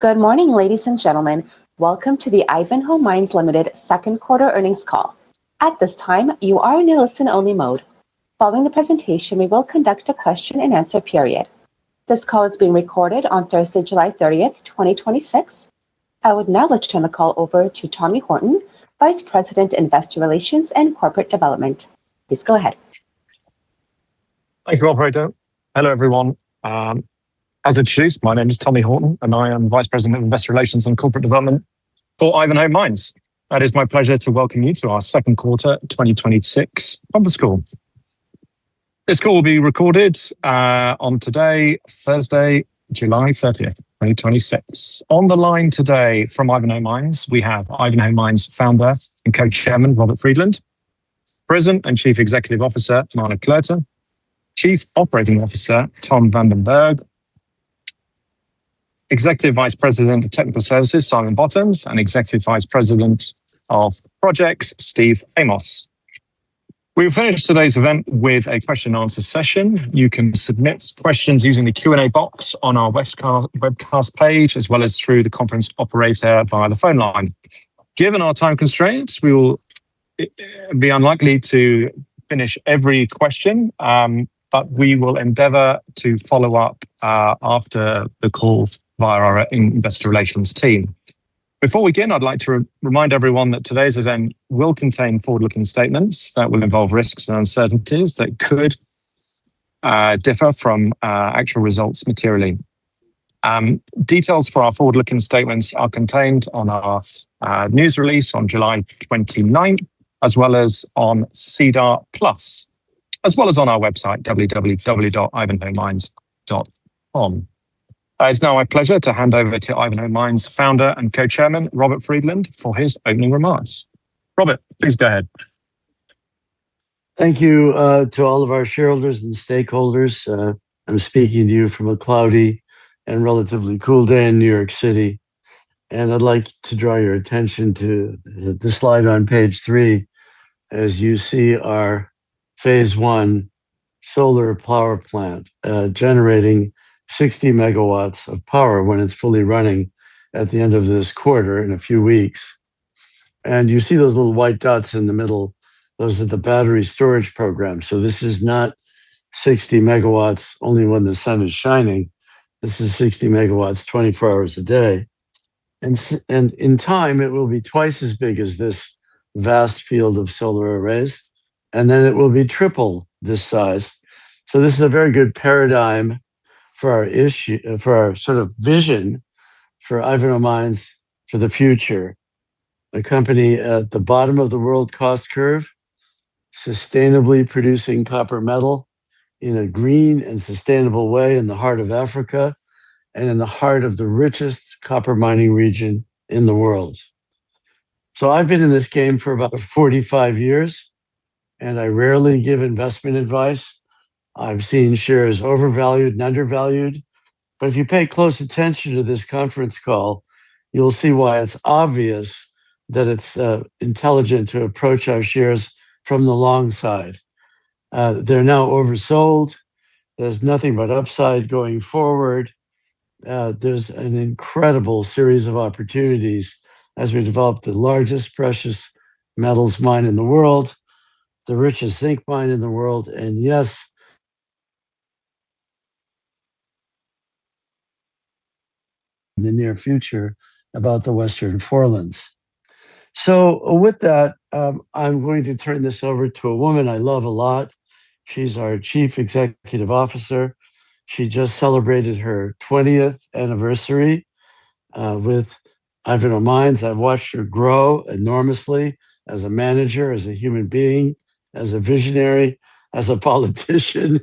Good morning, ladies and gentlemen. Welcome to the Ivanhoe Mines Ltd. second quarter earnings call. At this time, you are in a listen-only mode. Following the presentation, we will conduct a question-and-answer period. This call is being recorded on Thursday, July 30th, 2026. I would now like to turn the call over to Tommy Horton, Vice President, Investor Relations and Corporate Development. Please go ahead. Thank you, operator. Hello, everyone. As it shows, my name is Tommy Horton and I am Vice President, Investor Relations and Corporate Development for Ivanhoe Mines. It is my pleasure to welcome you to our second quarter 2026 earnings call. This call will be recorded on today, Thursday, July 30th, 2026. On the line today from Ivanhoe Mines, we have Ivanhoe Mines Founder and Co-Chairman, Robert Friedland; President and Chief Executive Officer, Marna Cloete; Chief Operating Officer, Tom van den Berg; Executive Vice President of Technical Services, Simon Bottoms; and Executive Vice President of Projects, Steve Amos. We will finish today's event with a question-and-answer session. You can submit questions using the Q&A box on our webcast page, as well as through the conference operator via the phone line. Given our time constraints, we will be unlikely to finish every question. We will endeavor to follow up after the call via our Investor Relations team. Before we begin, I'd like to remind everyone that today's event will contain forward-looking statements that will involve risks and uncertainties that could differ from actual results materially. Details for our forward-looking statements are contained on our news release on July 29th, as well as on SEDAR+, as well as on our website, www.ivanhoemines.com. It's now my pleasure to hand over to Ivanhoe Mines Founder and Co-Chairman, Robert Friedland, for his opening remarks. Robert, please go ahead. Thank you to all of our shareholders and stakeholders. I'm speaking to you from a cloudy and relatively cool day in New York City. I'd like to draw your attention to the slide on page three. As you see, our Phase I solar power plant, generating 60 MW of power when it's fully running at the end of this quarter, in a few weeks. You see those little white dots in the middle, those are the battery storage program. This is not 60 MW only when the sun is shining. This is 60 MW, 24 hours a day. In time, it will be twice as big as this vast field of solar arrays, and then it will be triple this size. This is a very good paradigm for our vision for Ivanhoe Mines for the future. A company at the bottom of the world cost curve, sustainably producing copper metal in a green and sustainable way in the heart of Africa and in the heart of the richest copper mining region in the world. I've been in this game for about 45 years, and I rarely give investment advice. I've seen shares overvalued and undervalued. If you pay close attention to this conference call, you'll see why it's obvious that it's intelligent to approach our shares from the long side. They're now oversold. There's nothing but upside going forward. There's an incredible series of opportunities as we develop the largest precious metals mine in the world, the richest zinc mine in the world, and yes, in the near future about the Western Forelands. With that, I'm going to turn this over to a woman I love a lot. She's our Chief Executive Officer. She just celebrated her 20th anniversary with Ivanhoe Mines. I've watched her grow enormously as a manager, as a human being, as a visionary, as a politician.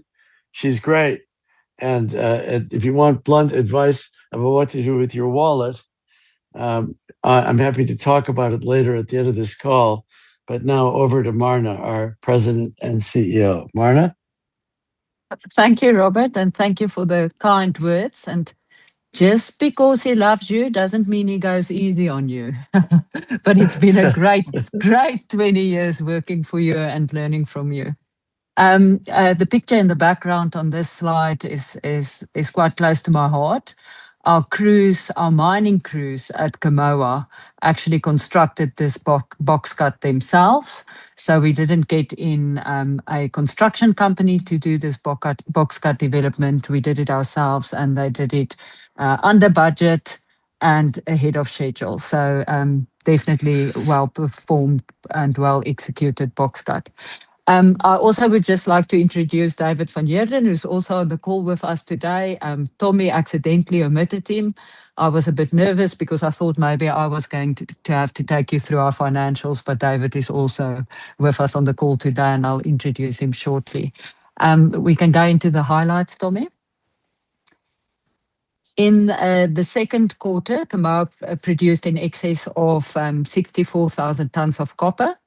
She's great. If you want blunt advice about what to do with your wallet, I'm happy to talk about it later at the end of this call. Now over to Marna, our President and CEO. Marna? Thank you, Robert. Thank you for the kind words. Just because he loves you doesn't mean he goes easy on you. It's been a great 20 years working for you and learning from you. The picture in the background on this slide is quite close to my heart. Our mining crews at Kamoa actually constructed this box cut themselves. We didn't get in a construction company to do this box cut development. We did it ourselves. They did it under budget and ahead of schedule. Definitely well-performed and well-executed box cut. I also would just like to introduce David van Heerden, who's also on the call with us today. Tommy accidentally omitted him. I was a bit nervous because I thought maybe I was going to have to take you through our financials. David is also with us on the call today. I'll introduce him shortly. We can go into the highlights, Tommy. In the second quarter, Kamoa produced in excess of 64,000 tonnes of copper.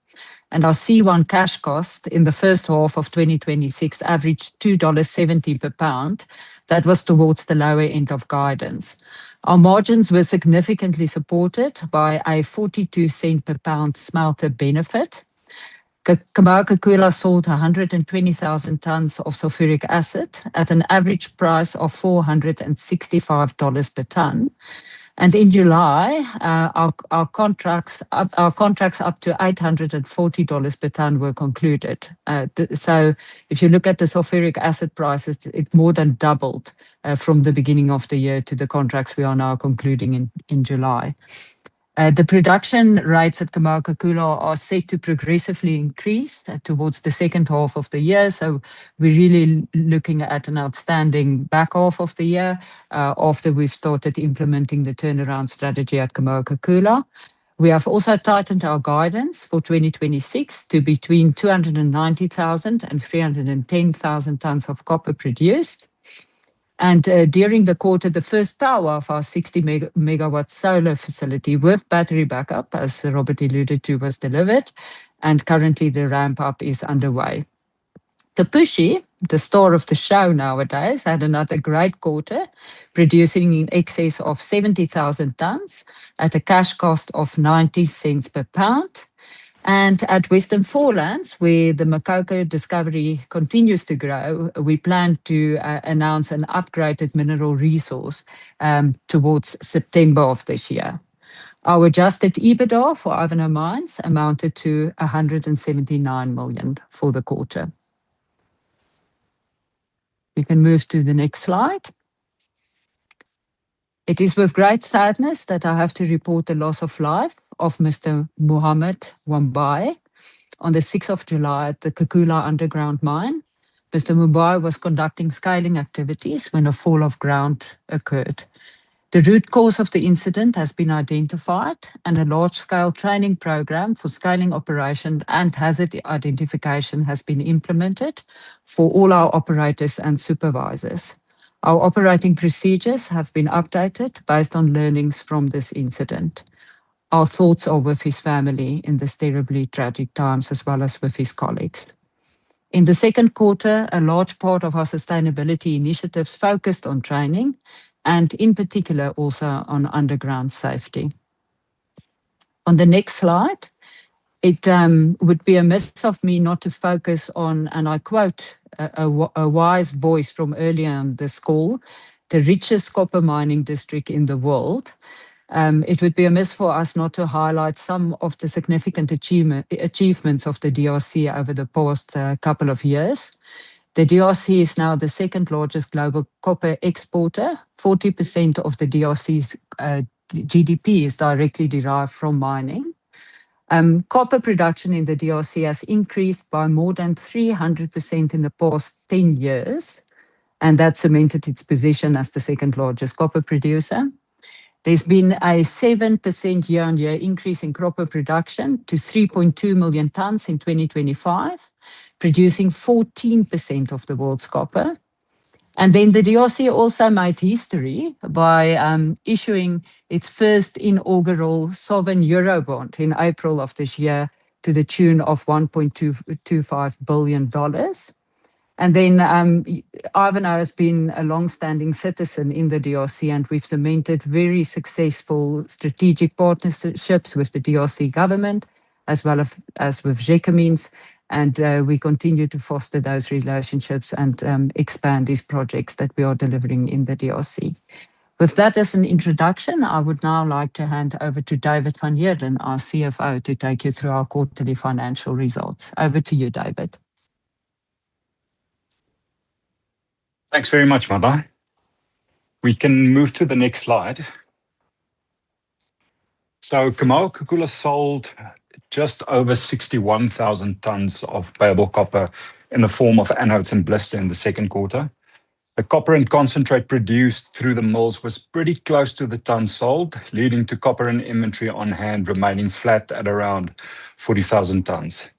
Our C1 cash cost in the first half of 2026 averaged $2.70/lb. That was towards the lower end of guidance. Our margins were significantly supported by a $0.42/lb smelter benefit. Kamoa-Kakula sold 120,000 tonnes of sulphuric acid at an average price of $465 per tonne. In July, our contracts up to $840 per tonne were concluded. If you look at the sulphuric acid prices, it more than doubled from the beginning of the year to the contracts we are now concluding in July. The production rates at Kamoa-Kakula are set to progressively increase towards the second half of the year. We're really looking at an outstanding back half of the year, after we've started implementing the turnaround strategy at Kamoa-Kakula. We have also tightened our guidance for 2026 to between 290,000 tonnes and 310,000 tonnes of copper produced. During the quarter, the first tower of our 60 MW solar facility with battery backup, as Robert alluded to, was delivered, and currently the ramp-up is underway. Kipushi, the star of the show nowadays, had another great quarter, producing in excess of 70,000 tonnes at a cash cost of $0.90/lb. At Western Forelands, where the Makoko discovery continues to grow, we plan to announce an upgraded mineral resource towards September of this year. Our adjusted EBITDA for Ivanhoe Mines amounted to $179 million for the quarter. We can move to the next slide. It is with great sadness that I have to report the loss of life of Mr. Muhammad Wambai on the 6th of July at the Kakula underground mine. Mr. Wambai was conducting scaling activities when a fall of ground occurred. The root cause of the incident has been identified and a large-scale training program for scaling operation and hazard identification has been implemented for all our operators and supervisors. Our operating procedures have been updated based on learnings from this incident. Our thoughts are with his family in this terribly tragic time, as well as with his colleagues. In the second quarter, a large part of our sustainability initiatives focused on training and in particular also on underground safety. On the next slide, it would be remiss of me not to focus on, I quote a wise voice from earlier on this call, the richest copper mining district in the world. It would be remiss for us not to highlight some of the significant achievements of the DRC over the past couple of years. The DRC is now the second-largest global copper exporter. 40% of the DRC's GDP is directly derived from mining. Copper production in the DRC has increased by more than 300% in the past 10 years, and that cemented its position as the second-largest copper producer. There's been a 7% year-on-year increase in copper production to 3.2 million tonnes in 2025, producing 14% of the world's copper. The DRC also made history by issuing its first inaugural sovereign Eurobond in April of this year to the tune of $1.25 billion. Ivanhoe has been a longstanding citizen in the DRC, and we've cemented very successful strategic partnerships with the DRC government as well as with Gécamines, and we continue to foster those relationships and expand these projects that we are delivering in the DRC. With that as an introduction, I would now like to hand over to David van Heerden, our CFO, to take you through our quarterly financial results. Over to you, David. Thanks very much, Marna. We can move to the next slide. Kamoa-Kakula sold just over 61,000 tonnes of payable copper in the form of anodes and blister in the second quarter. The copper and concentrate produced through the mills was pretty close to the tonnes sold, leading to copper and inventory on hand remaining flat at around 40,000 tonnes.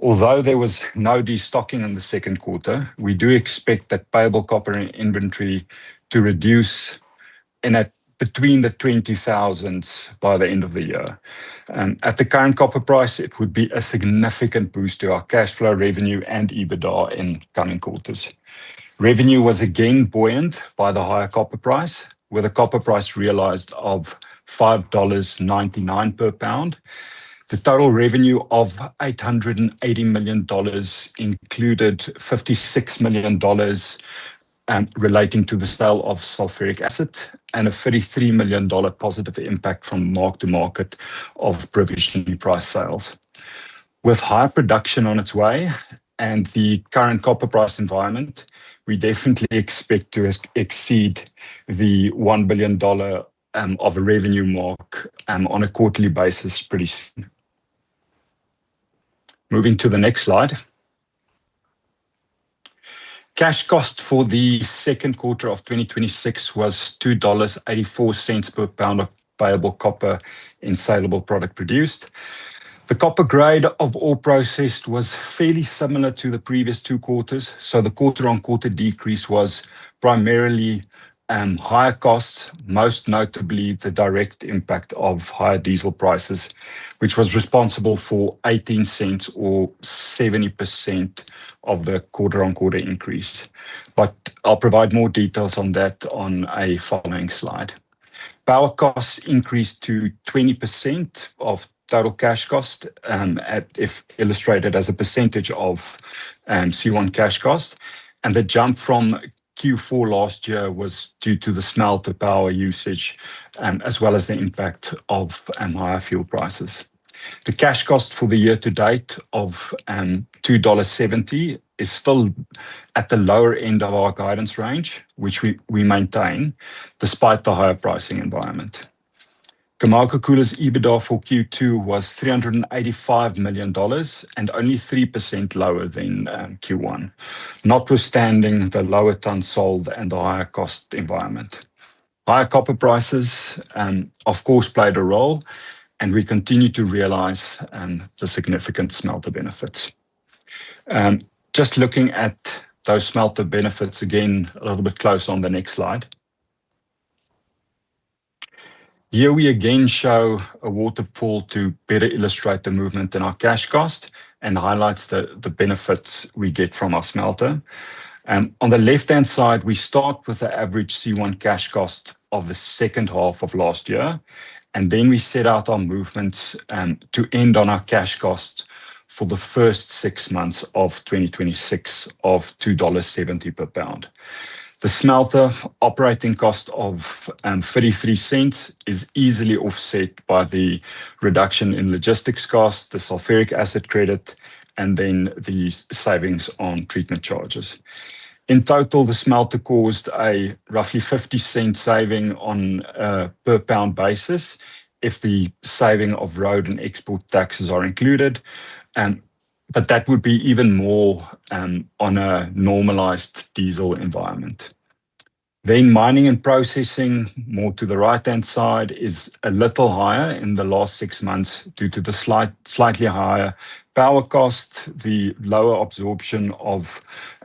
Although there was no destocking in the second quarter, we do expect that payable copper inventory to reduce between the 20,000 tonnes by the end of the year. At the current copper price, it would be a significant boost to our cash flow revenue and EBITDA in coming quarters. Revenue was again buoyant by the higher copper price, with a copper price realized of $5.99/lb. The total revenue of $880 million included $56 million relating to the sale of sulfuric acid and a $33 million positive impact from mark-to-market of provision price sales. With high production on its way and the current copper price environment, we definitely expect to exceed the $1 billion of revenue mark on a quarterly basis pretty soon. Moving to the next slide. Cash cost for the second quarter of 2026 was $2.84/lb of payable copper in saleable product produced. The copper grade of ore processed was fairly similar to the previous two quarters, the quarter-on-quarter decrease was primarily higher costs, most notably the direct impact of higher diesel prices, which was responsible for $0.18 or 70% of the quarter-on-quarter increase. I'll provide more details on that on a following slide. Power costs increased to 20% of total cash cost, if illustrated as a percentage of C1 cash cost, and the jump from Q4 last year was due to the smelter power usage, as well as the impact of higher fuel prices. The cash cost for the year-to-date of $2.70 is still at the lower end of our guidance range, which we maintain despite the higher pricing environment. Kamoa-Kakula's EBITDA for Q2 was $385 million and only 3% lower than Q1, notwithstanding the lower tonnes sold and the higher cost environment. Higher copper prices of course played a role, and we continue to realize the significant smelter benefits. Just looking at those smelter benefits again a little bit closer on the next slide. Here we again show a waterfall to better illustrate the movement in our cash cost and highlights the benefits we get from our smelter. On the left-hand side, we start with the average C1 cash cost of the second half of last year, and then we set out our movements to end on our cash cost for the first six months of 2026 of $2.70/lb. The smelter operating cost of $0.33 is easily offset by the reduction in logistics cost, the sulfuric acid credit, and then the savings on treatment charges. In total, the smelter caused a roughly $0.50 saving on a per pound basis if the saving of road and export taxes are included, but that would be even more on a normalized diesel environment. Mining and processing, more to the right-hand side, is a little higher in the last six months due to the slightly higher power cost, the lower absorption of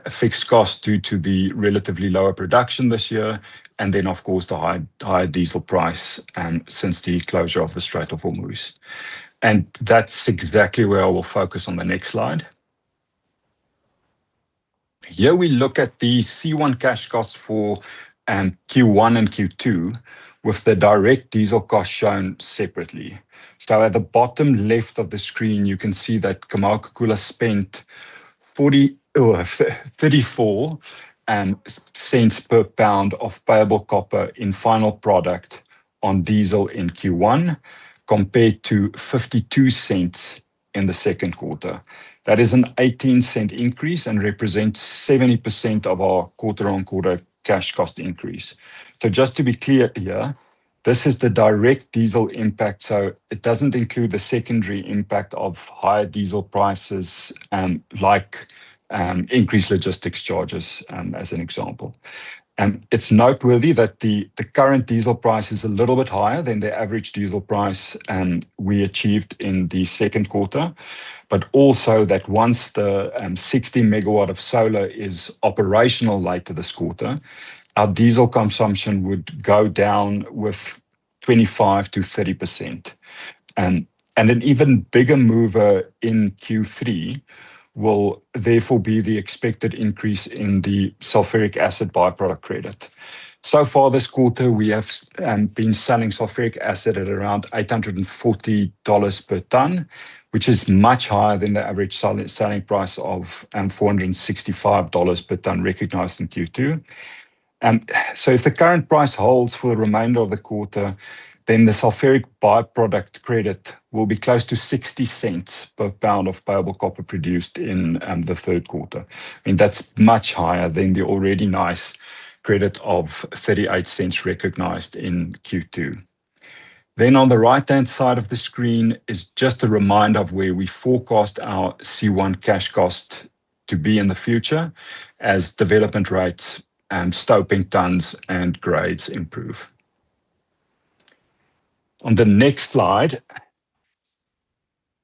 fixed cost due to the relatively lower production this year, and, of course, the higher diesel price since the closure of the Strait of Hormuz. That's exactly where I will focus on the next slide. Here we look at the C1 cash cost for Q1 and Q2 with the direct diesel cost shown separately. At the bottom left of the screen, you can see that Kamoa-Kakula spent $0.34/lb of payable copper in final product on diesel in Q1, compared to $0.52 in the second quarter. That is an $0.18 increase and represents 70% of our quarter-on-quarter cash cost increase. Just to be clear here, this is the direct diesel impact, so it doesn't include the secondary impact of higher diesel prices like increased logistics charges, as an example. It's noteworthy that the current diesel price is a little bit higher than the average diesel price we achieved in the second quarter, but also that once the 60 MW of solar is operational later this quarter, our diesel consumption would go down with 25%-30%. An even bigger mover in Q3 will therefore be the expected increase in the sulfuric acid byproduct credit. Far this quarter, we have been selling sulfuric acid at around $840 per tonne, which is much higher than the average selling price of $465 per tonne recognized in Q2. If the current price holds for the remainder of the quarter, then the sulfuric byproduct credit will be close to $0.60/lb of payable copper produced in the third quarter. That's much higher than the already nice credit of $0.38 recognized in Q2. On the right-hand side of the screen is just a reminder of where we forecast our C1 cash cost to be in the future as development rates and stoping tonnes and grades improve. On the next slide,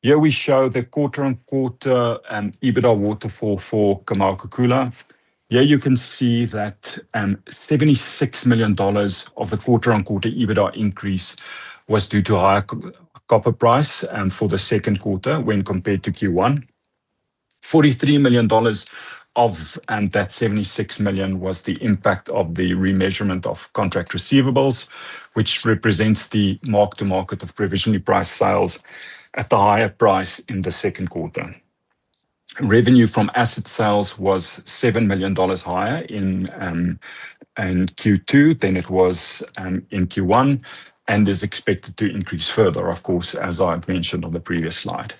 here we show the quarter-on-quarter EBITDA waterfall for Kamoa-Kakula. Here you can see that $76 million of the quarter-on-quarter EBITDA increase was due to higher copper price for the second quarter when compared to Q1. $43 million of that $76 million was the impact of the remeasurement of contract receivables, which represents the mark-to-market of provisionally priced sales at the higher price in the second quarter. Revenue from asset sales was $7 million higher in Q2 than it was in Q1 and is expected to increase further, of course, as I've mentioned on the previous slide.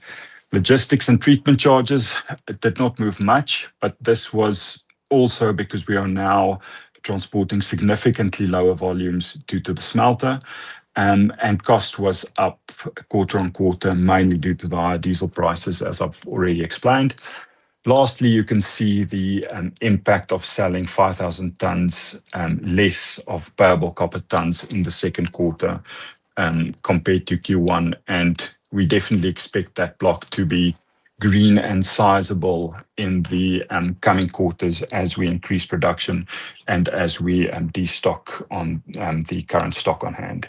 Logistics and treatment charges did not move much, but this was also because we are now transporting significantly lower volumes due to the smelter, and cost was up quarter-on-quarter, mainly due to the higher diesel prices, as I've already explained. Lastly, you can see the impact of selling 5,000 tonnes less of payable copper tonnes in the second quarter compared to Q1. We definitely expect that block to be green and sizable in the coming quarters as we increase production and as we de-stock on the current stock on hand.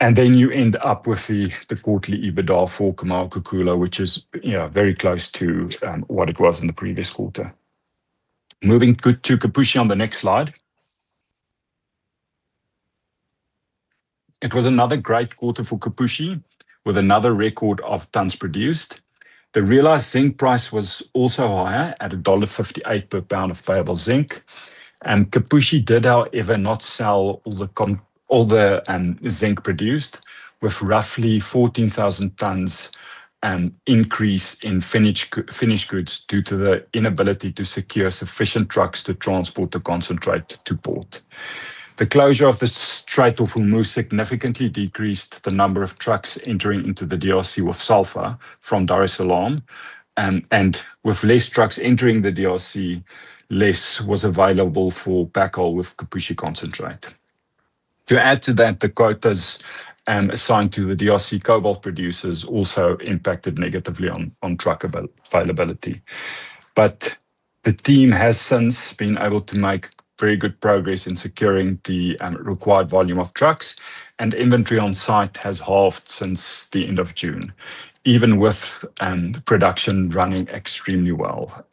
You end up with the quarterly EBITDA for Kamoa-Kakula, which is very close to what it was in the previous quarter. Moving to Kipushi on the next slide. It was another great quarter for Kipushi, with another record of tonnes produced. The realized zinc price was also higher at $1.58/lb of payable zinc. Kipushi did, however, not sell all the zinc produced, with roughly 14,000 tonnes increase in finished goods due to the inability to secure sufficient trucks to transport the concentrate to port. The closure of the Strait of Hormuz significantly decreased the number of trucks entering into the DRC with sulfur from Dar es Salaam. With less trucks entering the DRC, less was available for backhaul with Kipushi concentrate. To add to that, the quotas assigned to the DRC cobalt producers also impacted negatively on truck availability. The team has since been able to make very good progress in securing the required volume of trucks, and inventory on site has halved since the end of June, even with production running extremely well.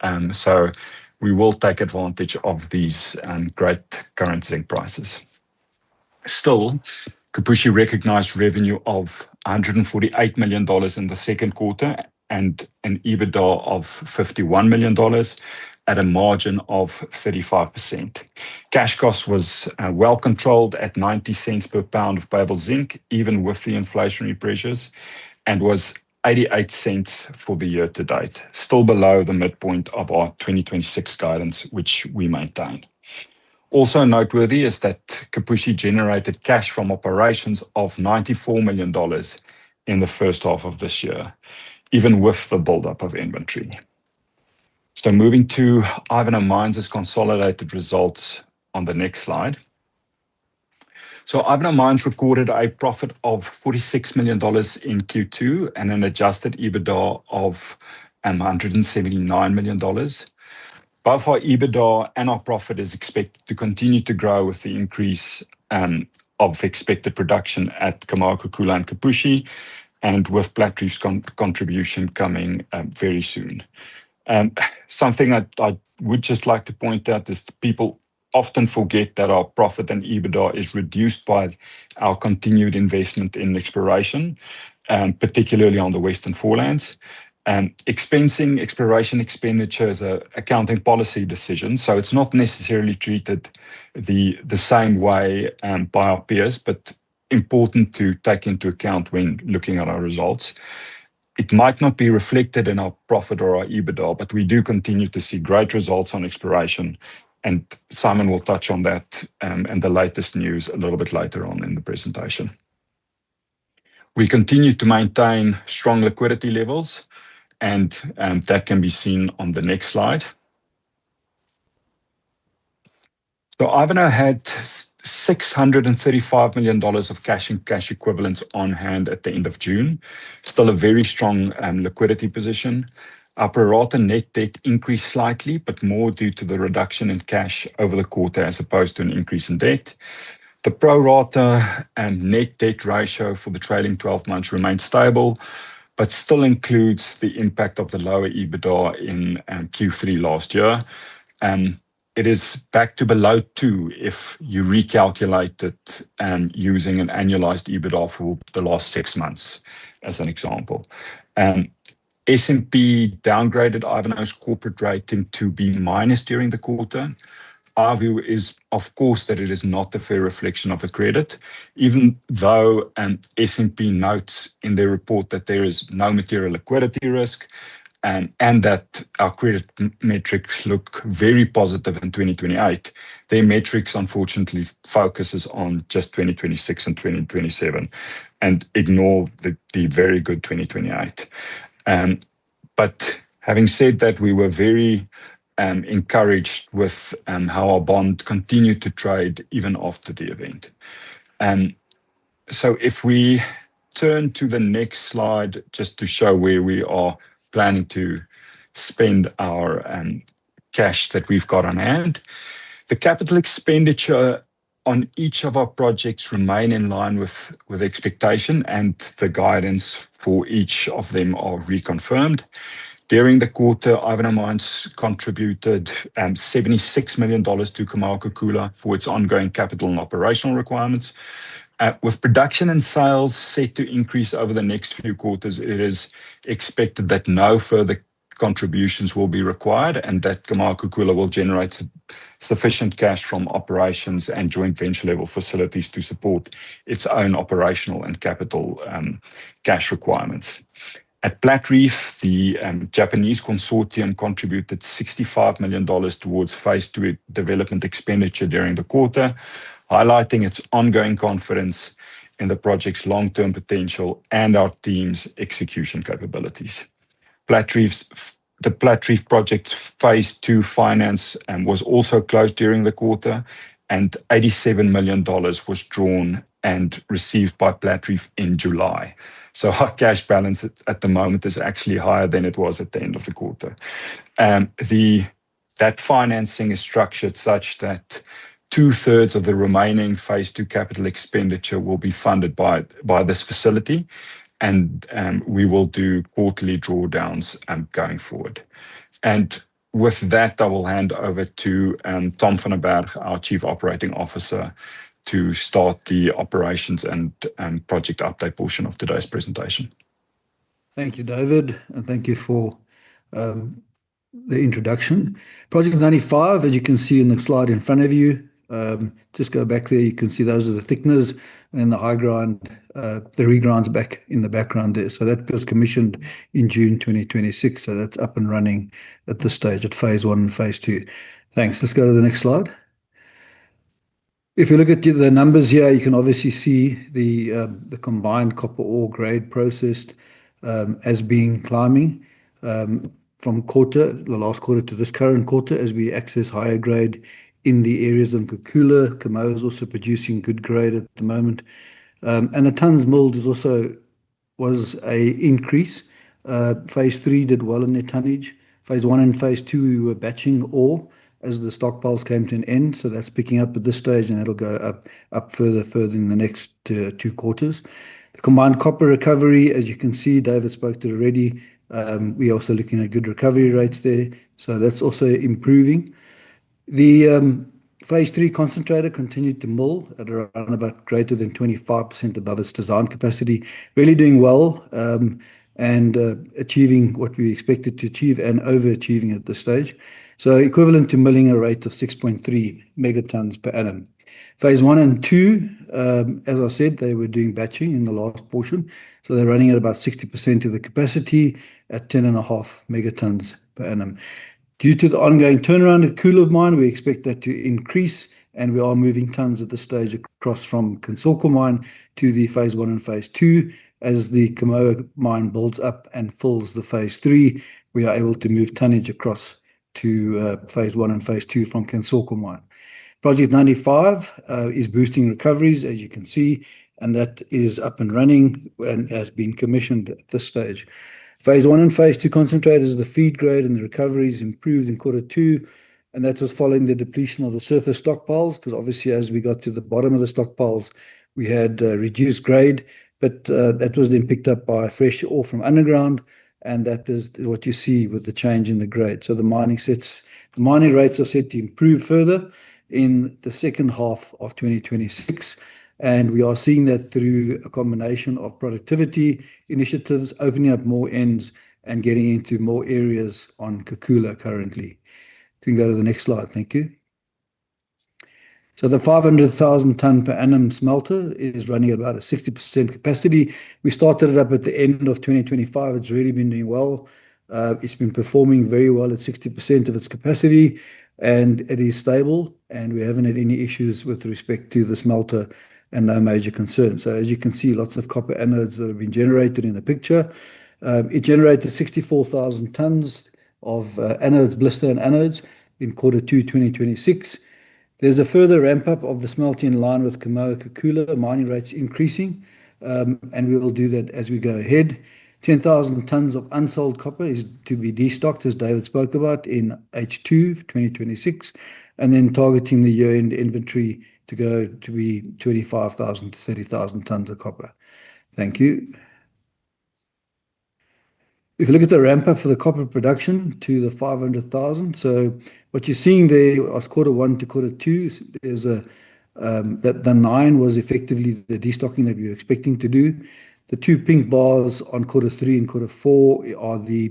We will take advantage of these great current zinc prices. Still, Kipushi recognized revenue of $148 million in the second quarter and an EBITDA of $51 million at a margin of 35%. Cash cost was well controlled at $0.9/lb of payable zinc, even with the inflationary pressures, and was $0.88 for the year-to-date, still below the midpoint of our 2026 guidance, which we maintain. Also noteworthy is that Kipushi generated cash from operations of $94 million in the first half of this year, even with the buildup of inventory. Moving to Ivanhoe Mines' consolidated results on the next slide. Ivanhoe Mines recorded a profit of $46 million in Q2 and an adjusted EBITDA of $179 million. Both our EBITDA and our profit is expected to continue to grow with the increase of expected production at Kamoa-Kakula and Kipushi and with Platreef's contribution coming very soon. Something I would just like to point out is people often forget that our profit and EBITDA is reduced by our continued investment in exploration, particularly on the Western Forelands. Expensing exploration expenditure is an accounting policy decision. It's not necessarily treated the same way by our peers, but important to take into account when looking at our results. It might not be reflected in our profit or our EBITDA, but we do continue to see great results on exploration, and Simon will touch on that and the latest news a little bit later on in the presentation. We continue to maintain strong liquidity levels, and that can be seen on the next slide. Ivanhoe had $635 million of cash and cash equivalents on hand at the end of June. Still a very strong liquidity position. Our pro forma net debt increased slightly, but more due to the reduction in cash over the quarter as opposed to an increase in debt. The pro rata and net debt ratio for the trailing 12 months remains stable but still includes the impact of the lower EBITDA in Q3 last year. It is back to below 2x if you recalculate it using an annualized EBITDA for the last six months as an example. S&P downgraded Ivanhoe's corporate rating to B- during the quarter. Our view is, of course, that it is not a fair reflection of the credit, even though S&P notes in their report that there is no material liquidity risk and that our credit metrics look very positive in 2028. Their metrics unfortunately focuses on just 2026 and 2027 and ignore the very good 2028. Having said that, we were very encouraged with how our bond continued to trade even after the event. If we turn to the next slide just to show where we are planning to spend our cash that we've got on hand. The capital expenditure on each of our projects remain in line with expectation, and the guidance for each of them are reconfirmed. During the quarter, Ivanhoe Mines contributed $76 million to Kamoa-Kakula for its ongoing capital and operational requirements. With production and sales set to increase over the next few quarters, it is expected that no further contributions will be required and that Kamoa-Kakula will generate sufficient cash from operations and joint venture-level facilities to support its own operational and capital cash requirements. At Platreef, the Japanese consortium contributed $65 million towards Phase 2 development expenditure during the quarter, highlighting its ongoing confidence in the project's long-term potential and our team's execution capabilities. The Platreef Project's Phase 2 finance was also closed during the quarter, and $87 million was drawn and received by Platreef in July. Our cash balance at the moment is actually higher than it was at the end of the quarter. That financing is structured such that two-thirds of the remaining Phase 2 capital expenditure will be funded by this facility, and we will do quarterly drawdowns going forward. With that, I will hand over to Tom van den Berg, our Chief Operating Officer, to start the operations and project update portion of today's presentation. Thank you, David, and thank you for the introduction. Project 95, as you can see in the slide in front of you. Just go back there, you can see those are the thickness and the regrinds back in the background there. That was commissioned in June 2026, so that's up and running at this stage at Phase 1 and Phase 2. Thanks. Let's go to the next slide. If you look at the numbers here, you can obviously see the combined copper ore grade processed as being climbing from the last quarter to this current quarter as we access higher grade in the areas of Kakula. Kamoa is also producing good grade at the moment. The tonnes milled also was a increase. Phase 3 did well in their tonnage. Phase 1 and Phase 2, we were batching ore as the stockpiles came to an end. That is picking up at this stage and that will go up further in the next two quarters. The combined copper recovery, as you can see, David spoke to it already. We are also looking at good recovery rates there, that is also improving. The Phase 3 concentrator continued to mill at around about greater than 25% above its design capacity. Really doing well, achieving what we expected to achieve and overachieving at this stage. Equivalent to milling a rate of 6.3 megatonnes per annum. Phase 1 and 2, as I said, they were doing batching in the last portion, they are running at about 60% of the capacity at 10.5 megatonnes per annum. Due to the ongoing turnaround at Kakula mine, we expect that to increase, we are moving tonnes at this stage across from Kansoko mine to the Phase 1 and Phase 2. As the Kamoa mine builds up and fills the Phase 3, we are able to move tonnage across to Phase 1 and Phase 2 from Kansoko mine. Project 95 is boosting recoveries, as you can see, that is up and running and has been commissioned at this stage. Phase 1 and Phase 2 concentrators, the feed grade and the recoveries improved in Q2, that was following the depletion of the surface stockpiles, because obviously as we got to the bottom of the stockpiles, we had reduced grade, that was then picked up by fresh ore from underground, that is what you see with the change in the grade. The mining rates are set to improve further in H2 2026, we are seeing that through a combination of productivity initiatives, opening up more ends, getting into more areas on Kakula currently. You can go to the next slide. Thank you. The 500,000 tonne per annum smelter is running at about a 60% capacity. We started it up at the end of 2025. It has really been doing well. It has been performing very well at 60% of its capacity, it is stable, we have not had any issues with respect to the smelter, no major concerns. As you can see, lots of copper anodes that have been generated in the picture. It generated 64,000 tonnes of blisters and anodes in Q2 2026. There is a further ramp-up of the smelting in line with Kamoa-Kakula mining rates increasing, we will do that as we go ahead. 10,000 tonnes of unsold copper is to be destocked, as David spoke about, in H2 2026, targeting the year-end inventory to go to be 25,000 tonnes-30,000 tonnes of copper. Thank you. If you look at the ramp-up for the copper production to the 500,000 tonnes per annum. What you are seeing there as Q1 to Q2, the nine was effectively the destocking that we were expecting to do. The two pink bars on Q3 and Q4 are the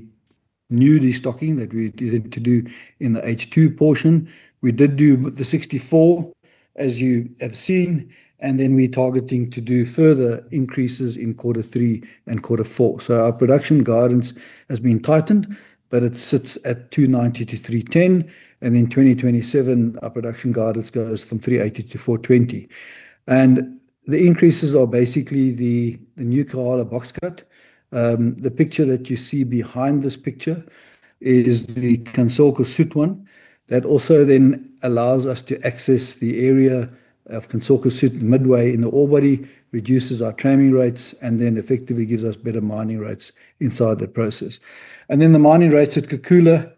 new destocking that we needed to do in the H2 portion. We did do the 64, as you have seen, we are targeting to do further increases in Q3 and Q4. Our production guidance has been tightened, but it sits at 290,000 tonnes-310,000 tonnes, and in 2027, our production guidance goes from 380,000 tonnes-420,000 tonnes. The increases are basically the new Kakula box cut. The picture that you see behind this picture is the Kansoko South 1. That also then allows us to access the area of Kansoko South midway in the ore body, reduces our tramming rates, and then effectively gives us better mining rates inside that process. The mining rates at Kakula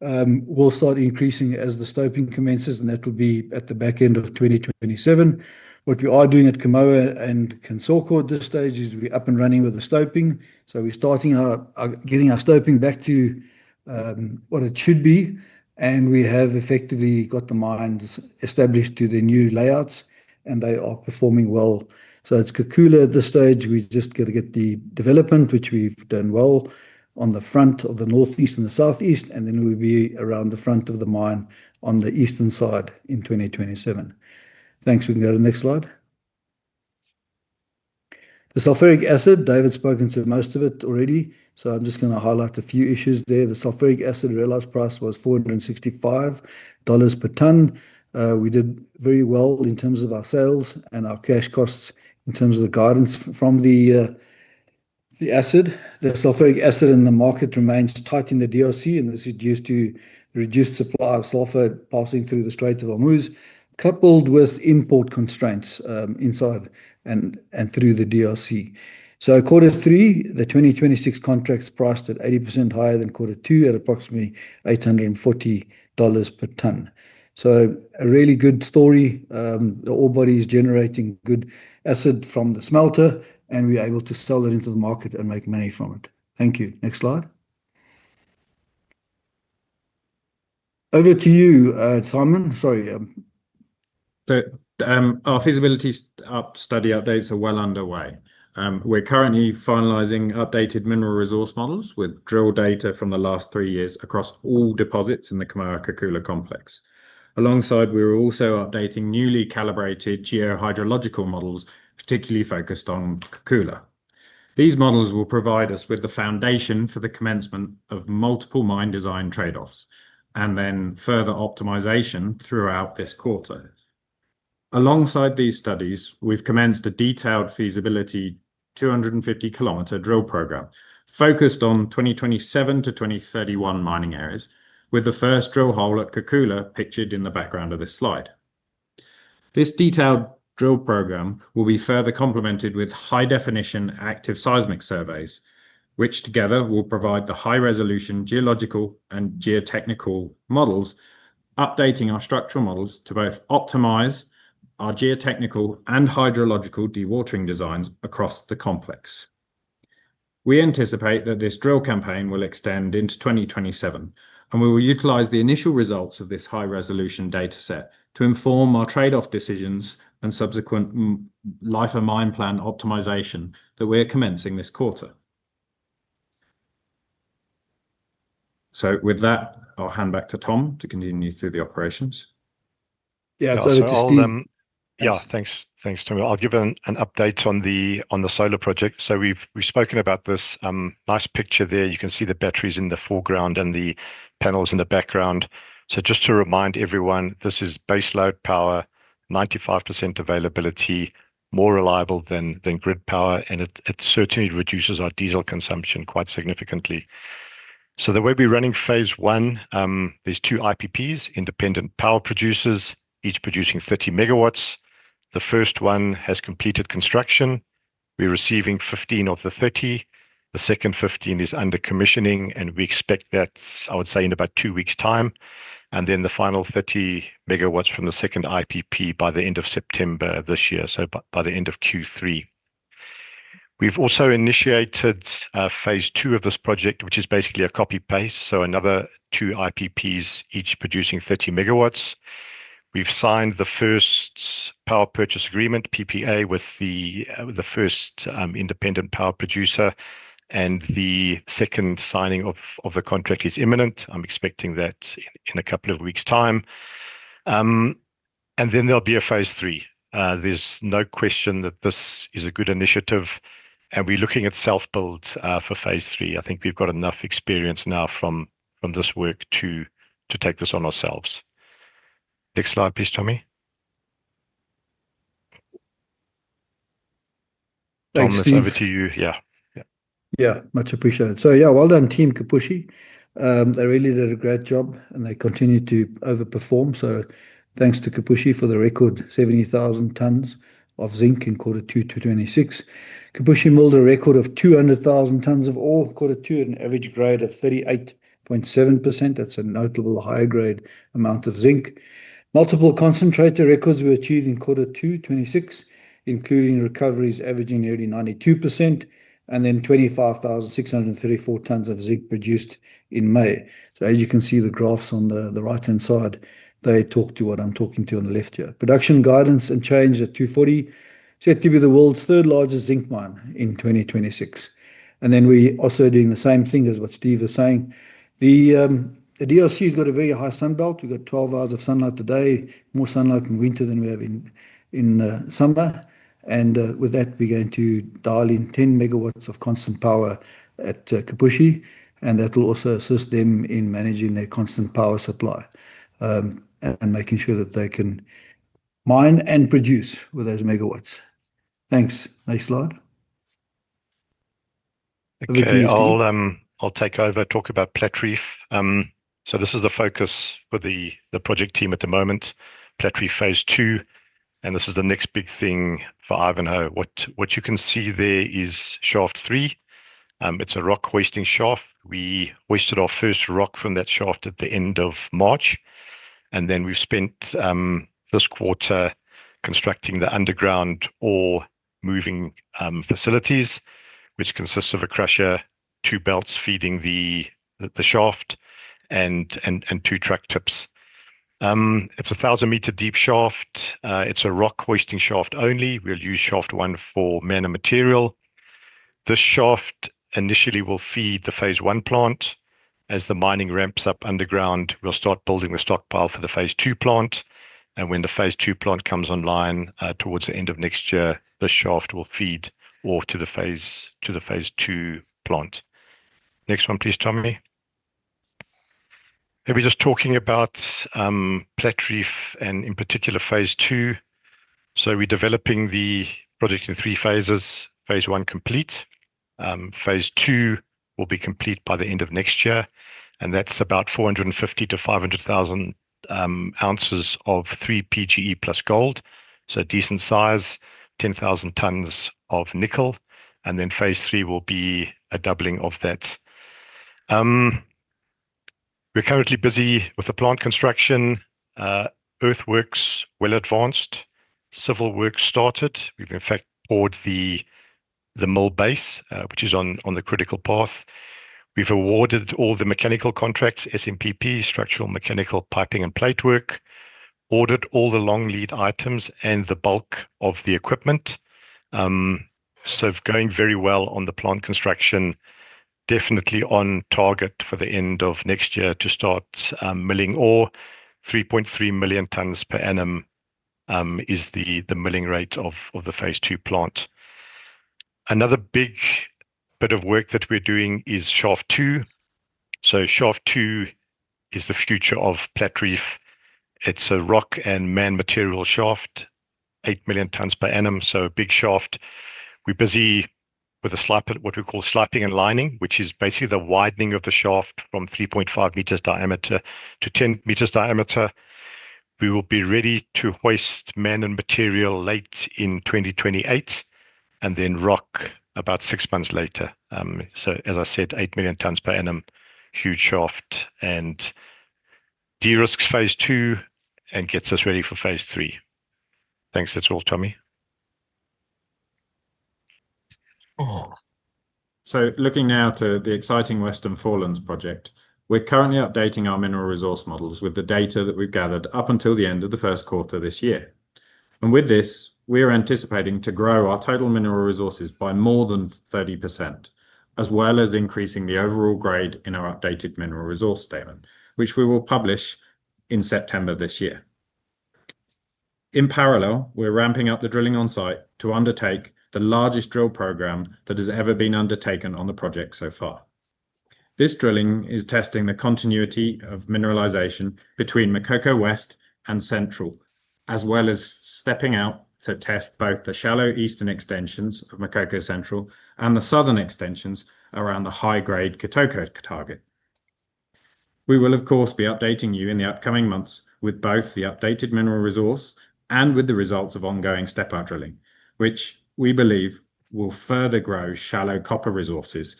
will start increasing as the stoping commences, and that will be at the back end of 2027. What we are doing at Kamoa and Kansoko at this stage is to be up and running with the stoping. We're starting our getting our stoping back to what it should be, and we have effectively got the mines established to the new layouts, and they are performing well. It's Kakula at this stage. We've just got to get the development, which we've done well on the front of the northeast and the southeast, and then we'll be around the front of the mine on the eastern side in 2027. Thanks. We can go to the next slide. The sulfuric acid, David's spoken to most of it already, so I'm just going to highlight a few issues there. The sulfuric acid realized price was $465 per tonne. We did very well in terms of our sales and our cash costs in terms of the guidance. The acid, the sulfuric acid in the market remains tight in the DRC, and this is due to reduced supply of sulfur passing through the Strait of Hormuz, coupled with import constraints inside and through the DRC. Quarter three, the 2026 contracts priced at 80% higher than quarter two at approximately $840 per tonne. A really good story. The ore body is generating good acid from the smelter, and we are able to sell that into the market and make money from it. Thank you. Next slide. Over to you, Simon. Sorry. Our feasibility study updates are well underway. We're currently finalizing updated mineral resource models with drill data from the last three years across all deposits in the Kamoa-Kakula complex. Alongside, we are also updating newly calibrated geohydrological models, particularly focused on Kakula. These models will provide us with the foundation for the commencement of multiple mine design trade-offs, and then further optimization throughout this quarter. Alongside these studies, we've commenced a detailed feasibility 250-km drill program focused on 2027-2031 mining areas, with the first drill hole at Kakula pictured in the background of this slide. This detailed drill program will be further complemented with high-definition active seismic surveys, which together will provide the high-resolution geological and geotechnical models, updating our structural models to both optimize our geotechnical and hydrological dewatering designs across the complex. We anticipate that this drill campaign will extend into 2027, and we will utilize the initial results of this high-resolution data set to inform our trade-off decisions and subsequent life and mine plan optimization that we're commencing this quarter. With that, I'll hand back to Tom to continue through the operations. Yeah. Over to Steve. Yeah. Thanks, Tom. I'll give an update on the solar project. We've spoken about this. Nice picture there. You can see the batteries in the foreground and the panels in the background. Just to remind everyone, this is base load power, 95% availability, more reliable than grid power, and it certainly reduces our diesel consumption quite significantly. The way we're running Phase 1, there's two IPPs, independent power producers, each producing 30 MW. The first one has completed construction. We're receiving 15 MW of the 30 MW. The second 15 MW is under commissioning, and we expect that, I would say, in about two weeks' time, and then the final 30 MW from the second IPP by the end of September this year. By the end of Q3. We've also initiated Phase 2 of this project, which is basically a copy-paste, another two IPPs, each producing 30 MW. We've signed the first power purchase agreement, PPA, with the first independent power producer, the second signing of the contract is imminent. I'm expecting that in a couple of weeks' time. Then there'll be a Phase 3. There's no question that this is a good initiative, we're looking at self-build for Phase 3. I think we've got enough experience now from this work to take this on ourselves. Next slide, please, Tommy. Thanks, Steve. Thomas, over to you. Yeah. Yeah, much appreciated. Yeah, well done, team Kipushi. They really did a great job, and they continued to over-perform. Thanks to Kipushi for the record 70,000 tonnes of zinc in quarter two 2026. Kipushi milled a record of 200,000 tonnes of ore in quarter two at an average grade of 38.7%. That's a notable high-grade amount of zinc. Multiple concentrator records were achieved in quarter 2 2026, including recoveries averaging nearly 92%, and then 25,634 tonnes of zinc produced in May. As you can see the graphs on the right-hand side, they talk to what I'm talking to on the left here. Production guidance unchanged at 240,000 tonnes. Set to be the world's third largest zinc mine in 2026. We're also doing the same thing as what Steve was saying. The DRC's got a very high sunbelt. We got 12 hours of sunlight today, more sunlight in winter than we have in summer. With that, we're going to dial in 10 MW of constant power at Kipushi, and that will also assist them in managing their constant power supply, and making sure that they can mine and produce with those megawatts. Thanks. Next slide. Over to you, Steve. Okay. I'll take over, talk about Platreef. This is the focus for the project team at the moment, Platreef Phase 2, and this is the next big thing for Ivanhoe. What you can see there is Shaft 3. It's a rock-hoisting shaft. We hoisted our first rock from that shaft at the end of March, and then we've spent this quarter constructing the underground ore-moving facilities, which consists of a crusher, two belts feeding the shaft, and two track tips. It's a 1,000-meter-deep shaft. It's a rock-hoisting shaft only. We'll use Shaft 1 for men and material. The shaft initially will feed the Phase 1 plant. As the mining ramps up underground, we'll start building the stockpile for the Phase 2 plant. When the Phase 2 plant comes online towards the end of next year, the shaft will feed ore to the Phase 2 plant. Next one, please, Tommy. We're just talking about Platreef, and in particular, Phase 2. We're developing the project in three phases. Phase 1 complete. Phase 2 will be complete by the end of next year, and that's about 450,000 ounces to 500,000 ounces of 3PGE+Au, so a decent size, 10,000 tonnes of nickel. Phase 3 will be a doubling of that. We're currently busy with the plant construction. Earthworks well advanced. Civil work started. We've in fact ordered the mill base, which is on the critical path. We've awarded all the mechanical contracts, SMPP, structural mechanical piping and plate work, ordered all the long lead items and the bulk of the equipment. Going very well on the plant construction. Definitely on target for the end of next year to start milling ore. 3.3 million tonnes per annum is the milling rate of the Phase 2 plant. Another big bit of work that we're doing is Shaft 2. Shaft 2 is the future of Platreef. It's a rock and man material shaft, 8 million tonnes per annum, so a big shaft. We're busy with what we call slipping and lining, which is basically the widening of the shaft from 3.5 m diameter to 10 m diameter. We will be ready to hoist men and material late in 2028, and then rock about six months later. As I said, 8 million tonnes per annum, huge shaft, and de-risks Phase 2 and gets us ready for Phase 3. Thanks. That's all, Tommy. Looking now to the exciting Western Forelands project. We're currently updating our mineral resource models with the data that we've gathered up until the end of the first quarter this year. With this, we are anticipating to grow our total mineral resources by more than 30%, as well as increasing the overall grade in our updated mineral resource statement, which we will publish in September this year. In parallel, we're ramping up the drilling on site to undertake the largest drill program that has ever been undertaken on the project so far. This drilling is testing the continuity of mineralization between Makoko West and Central, as well as stepping out to test both the shallow eastern extensions of Makoko Central and the southern extensions around the high-grade Kitoko target. We will, of course, be updating you in the upcoming months with both the updated mineral resource and with the results of ongoing step-out drilling, which we believe will further grow shallow copper resources.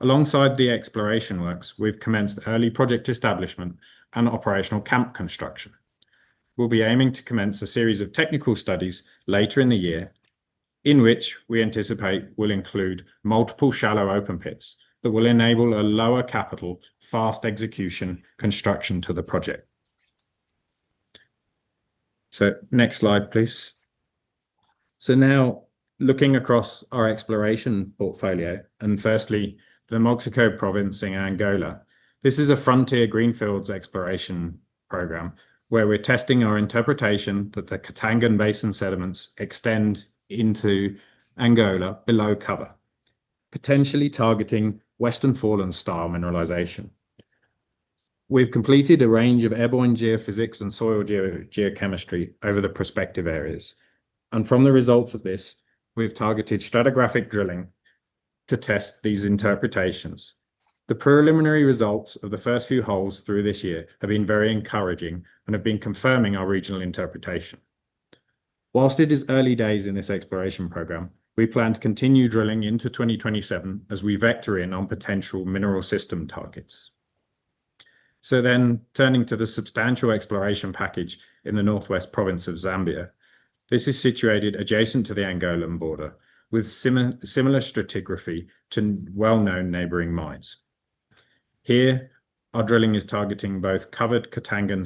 Alongside the exploration works, we've commenced early project establishment and operational camp construction. We'll be aiming to commence a series of technical studies later in the year, in which we anticipate will include multiple shallow open pits that will enable a lower capital, fast execution construction to the project. Next slide, please. Now looking across our exploration portfolio, and firstly, the Moxico Province in Angola. This is a frontier greenfields exploration program where we're testing our interpretation that the Katangan basin sediments extend into Angola below cover, potentially targeting Western Foreland style mineralization. We've completed a range of airborne geophysics and soil geochemistry over the prospective areas, and from the results of this, we've targeted stratigraphic drilling to test these interpretations. The preliminary results of the first few holes through this year have been very encouraging and have been confirming our regional interpretation. Whilst it is early days in this exploration program, we plan to continue drilling into 2027 as we vector in on potential mineral system targets. Turning to the substantial exploration package in the Northwest Province of Zambia. This is situated adjacent to the Angolan border with similar stratigraphy to well-known neighboring mines. Here, our drilling is targeting both covered Katangan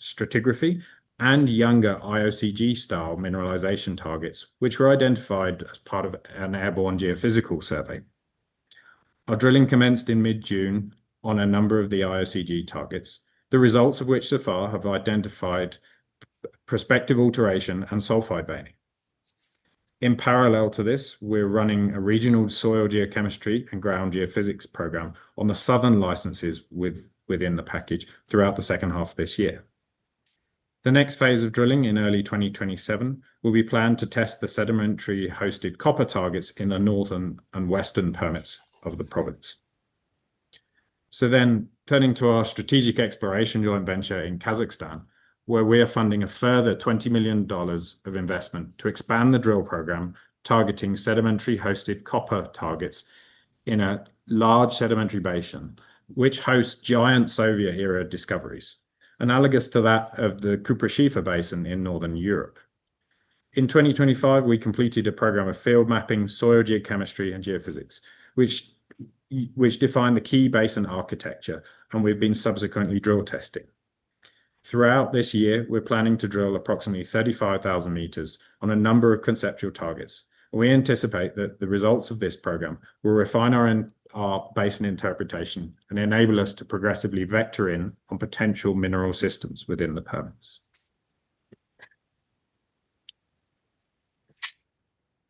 stratigraphy and younger IOCG-style mineralization targets, which were identified as part of an airborne geophysical survey. Our drilling commenced in mid-June on a number of the IOCG targets, the results of which so far have identified prospective alteration and sulfide veining. In parallel to this, we're running a regional soil geochemistry and ground geophysics program on the southern licenses within the package throughout the second half of this year. The next phase of drilling in early 2027 will be planned to test the sedimentary-hosted copper targets in the northern and western permits of the province. Turning to our strategic exploration joint venture in Kazakhstan, where we are funding a further $20 million of investment to expand the drill program targeting sedimentary-hosted copper targets in a large sedimentary basin, which hosts giant Soviet-era discoveries analogous to that of the Kupferschiefer Basin in Northern Europe. In 2025, we completed a program of field mapping, soil geochemistry, and geophysics, which defined the key basin architecture, and we've been subsequently drill testing. Throughout this year, we're planning to drill approximately 35,000 m on a number of conceptual targets. We anticipate that the results of this program will refine our basin interpretation and enable us to progressively vector in on potential mineral systems within the permits.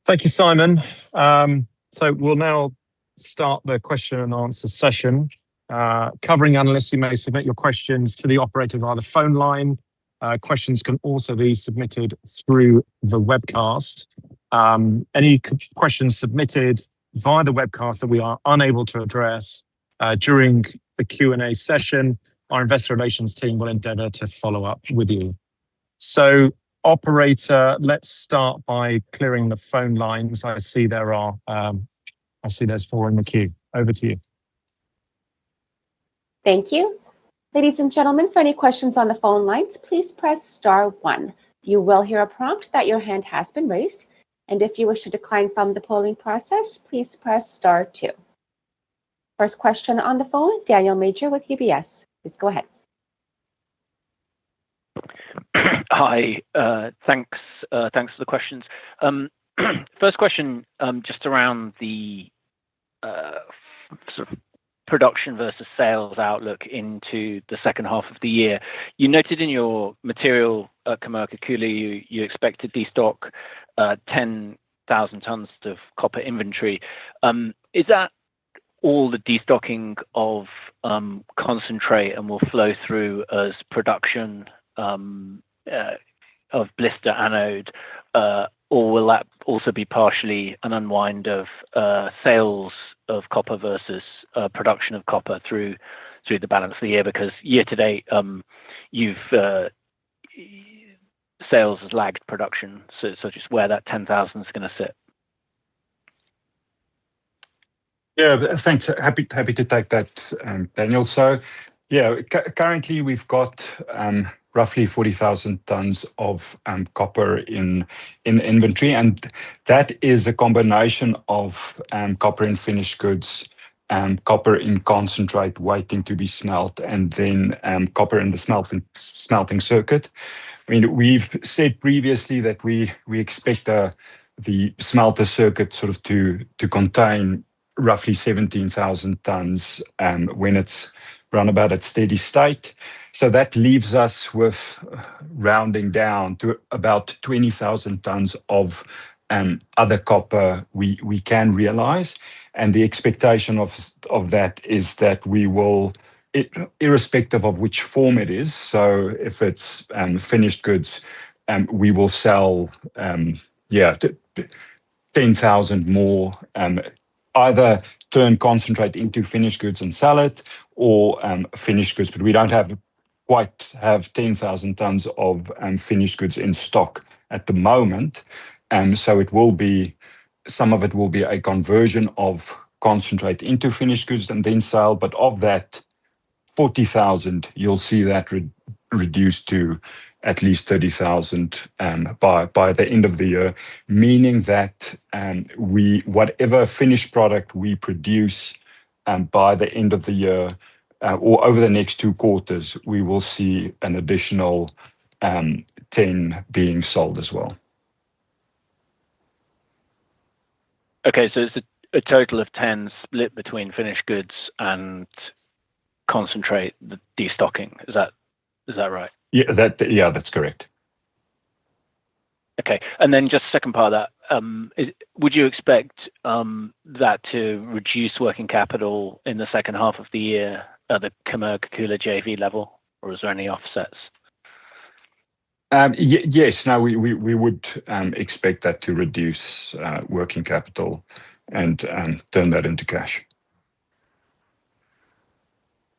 Thank you, Simon. We'll now start the question-and-answer session. Covering analysts, you may submit your questions to the operator via the phone line. Questions can also be submitted through the webcast. Any questions submitted via the webcast that we are unable to address during the Q&A session, our Investor Relations team will endeavor to follow up with you. Operator, let's start by clearing the phone lines. I see there's four in the queue. Over to you. Thank you. Ladies and gentlemen, for any questions on the phone lines, please press star one. You will hear a prompt that your hand has been raised, and if you wish to decline from the polling process, please press star two. First question on the phone, Daniel Major with UBS, please go ahead. Hi. Thanks for the questions. First question, just around the sort of production versus sales outlook into the second half of the year. You noted in your material at Kamoa-Kakula, you expected to destock 10,000 tonnes of copper inventory. Is that all the destocking of concentrate and will flow through as production of blister anode, or will that also be partially an unwind of sales of copper versus production of copper through the balance of the year? Because year-to-date, sales has lagged production. Just where that 10,000 tonnes is going to sit. Yeah. Thanks. Happy to take that, Daniel. Yeah, currently we've got roughly 40,000 tonnes of copper in inventory, and that is a combination of copper in finished goods and copper in concentrate waiting to be smelt, and then copper in the smelting circuit. We've said previously that we expect the smelter circuit sort of to contain roughly 17,000 tonnes, when it's run about at steady state. That leaves us with rounding down to about 20,000 tonnes of other copper we can realize. The expectation of that is that we will, irrespective of which form it is, so if it's finished goods, we will sell 10,000 tonnes more, either turn concentrate into finished goods and sell it or finished goods. We don't quite have 10,000 tonnes of finished goods in stock at the moment. Some of it will be a conversion of concentrate into finished goods and then sell, but of that 40,000 tonnes, you will see that reduced to at least 30,000 tonnes by the end of the year, meaning that whatever finished product we produce by the end of the year or over the next two quarters, we will see an additional 10,000 tonnes being sold as well. Okay. It is a total of 10,000 tonnes split between finished goods and concentrate, the destocking. Is that right? Yeah, that's correct. Okay. Just second part of that, would you expect that to reduce working capital in the second half of the year at the Kamoa-Kakula JV level, or is there any offsets? Yes. No, we would expect that to reduce working capital and turn that into cash.